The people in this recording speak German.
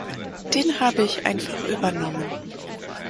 Den habe ich einfach übernommen.